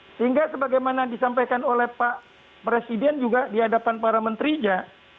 sehingga sebagaimana disampaikan oleh pak presiden juga di hadapan para menterinya